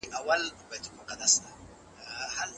ده د روغې جوړې هڅه کوله.